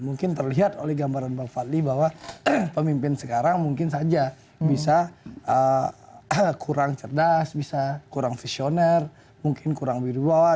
mungkin terlihat oleh gambaran bang fadli bahwa pemimpin sekarang mungkin saja bisa kurang cerdas bisa kurang visioner mungkin kurang dari bawah